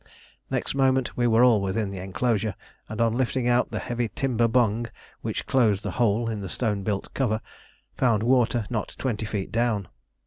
Next moment we were all within the enclosure, and on lifting out the heavy timber bung which closed the hole in the stone built cover, found water not twenty feet down.